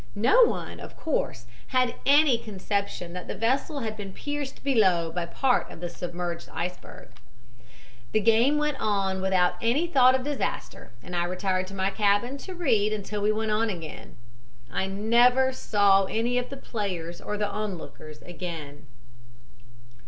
No one, of course, had any conception that the vessel had been pierced below by part of the submerged iceberg. "The game went on without any thought of disaster and I retired to my cabin, to read until we went on again. I never saw any of the players or the onlookers again.